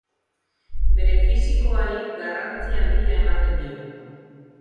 Bere fisikoari garrantzi handia ematen dio.